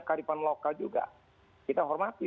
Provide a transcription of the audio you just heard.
kearifan lokal juga kita hormati